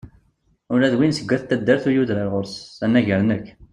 Ula d yiwen seg at taddart ur yuder ɣur-s, anagar nekk.